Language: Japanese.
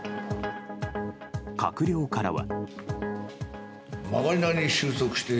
閣僚からは。